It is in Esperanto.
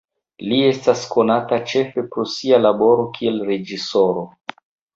Li estas konata ĉefe pro sia laboro kiel reĝisoro.